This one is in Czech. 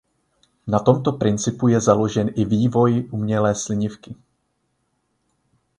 Na tomto principu je založen i vývoj umělé slinivky.